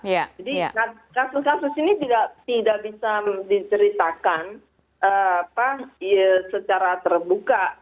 jadi kasus kasus ini tidak bisa diceritakan secara terbuka